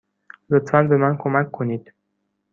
لطفا به من کمک کنید.